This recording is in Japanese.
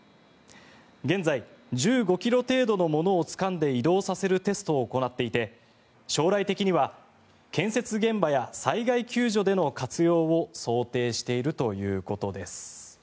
現在、１５ｋｇ程度のものをつかんで移動させるテストを行っていて将来的には建設現場や災害救助での活用を想定しているということです。